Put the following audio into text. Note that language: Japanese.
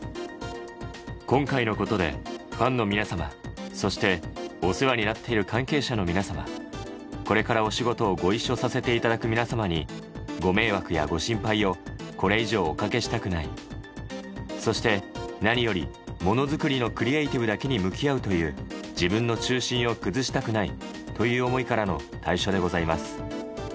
今回のことでファンの皆様、そしてお世話になっている関係の皆様、これからお仕事をご一緒させていただく皆様に、ご迷惑やご心配をこれ以上おかけしたくない、そして何より、モノづくりのクリエイティブだけに向き合うという自分の中心を崩したくないという思いからの退所でございます。